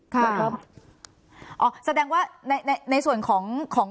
ค่ะอ๋อสมมุติว่าในส่วนของ